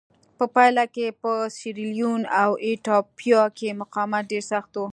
په پایله کې په سیریلیون او ایتوپیا کې مقاومت ډېر سخت و.